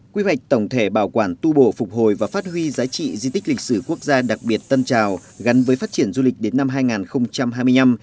quy hoạch tổng thể bảo quản tu bổ phục hồi và phát huy giá trị di tích lịch sử quốc gia đặc biệt tân trào gắn với phát triển du lịch đến năm hai nghìn hai mươi năm